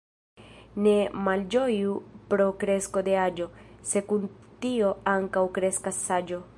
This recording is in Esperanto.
Ne malĝoju pro kresko de aĝo, se kun tio ankaŭ kreskas saĝo.